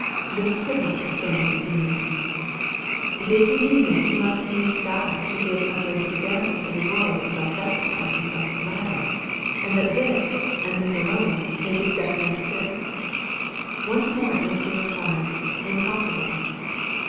This could not have been His meaning. Did He mean that He must needs die to give a great example to the world of self sacrifice and self denial, and that this, and this alone, made His death necessary ? Once more it may be replied, " Impossible."